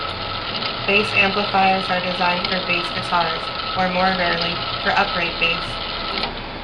Bass amplifiers are designed for bass guitars or more rarely, for upright bass.